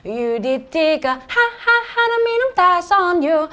อยู่ดีก็ฮ่าฮ่าฮ่าน่ามีน้ำตาซ่อนอยู่